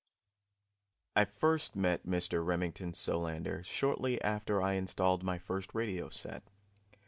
_ I first met Mr. Remington Solander shortly after I installed my first radio set.